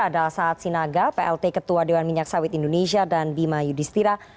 ada saud sinaaga plt ketua dewan minyak sawit indonesia dan bima yudi setira